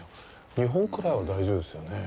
２本くらいは大丈夫ですよね。